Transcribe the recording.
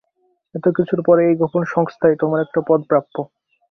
এত কিছুর পরে, এই গোপন সংস্থায় তোমার একটা পদ প্রাপ্য।